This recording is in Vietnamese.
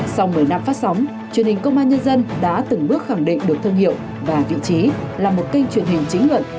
sau một mươi năm phát sóng truyền hình công an nhân dân đã từng bước khẳng định được thương hiệu và vị trí là một kênh truyền hình chính luận